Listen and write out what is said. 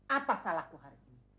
apa salahku hari ini